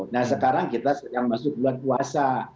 nah sekarang kita sedang masuk bulan puasa